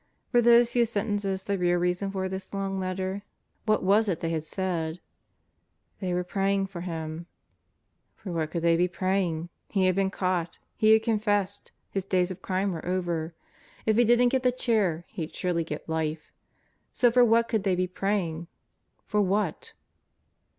Were those few sentences the real reason for this long letter? What was it they had said? ... "They were praying for him.' 7 For what could they be praying? He had been caught. He had God Gathers His Instruments 19 confessed. His days of crime were over. If he didn't get the chair he'd surely get life. So for what could they be praying? For what?